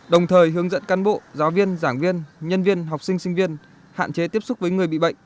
đồng thời hướng dẫn căn bộ giáo viên giảng viên nhân viên học sinh sinh viên hạn chế tiếp xúc với người bị bệnh